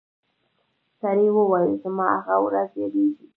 سړي وویل زما هغه ورځ یادیږي